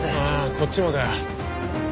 ああこっちもだ。